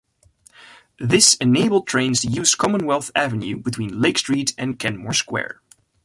This enabled trains to use Commonwealth Avenue between Lake Street and Kenmore Square.